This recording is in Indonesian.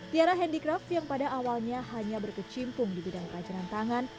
tiara handicraft yang pada awalnya hanya berkecimpung di bidang pelajaran tangan